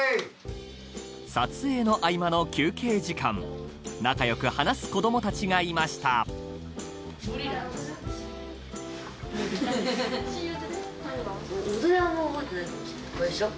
・撮影の合間の休憩時間仲良く話す子供たちがいました踊りはあんま覚えてない。